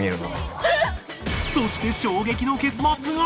そして衝撃の結末が